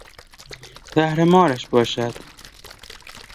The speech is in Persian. زهر مارش باشد!